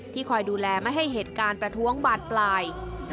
คอยดูแลไม่ให้เหตุการณ์ประท้วงบาดปลาย